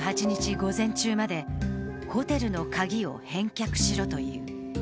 午前中までホテルの鍵を返却しろという。